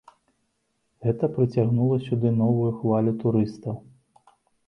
Гэта прыцягнула сюды новую хвалю турыстаў.